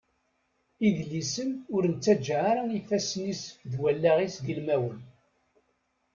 Idlisen ur nettaǧa ara ifassen-is d wallaɣ-is d ilmawen.